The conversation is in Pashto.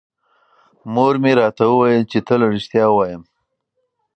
مور مې راته وویل چې تل رښتیا ووایم.